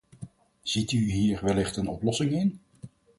Ziet u hier wellicht een oplossing in?